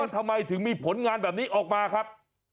ทำไมถึงมีผลงานแบบนี้ออกมาครับ